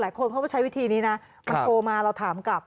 คนเขาก็ใช้วิธีนี้นะมันโทรมาเราถามกลับ